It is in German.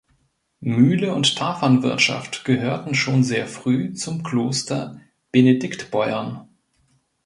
Mühle und Tafernwirtschaft gehörten schon sehr früh zum Kloster Benediktbeuern.